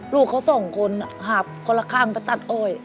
ลูกเขาสองคนหาบคนละข้างไปตัดอ้อย